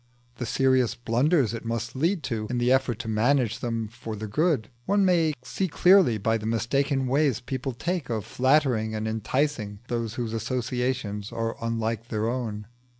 The serious blunders it must lead to in the effort to manage them for their good, one may see clearly by the mistaken ways people take of flattering and enticing those whose associations are unlike their own.